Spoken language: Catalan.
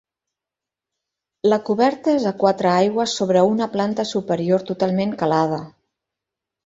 La coberta és a quatre aigües sobre una planta superior totalment calada.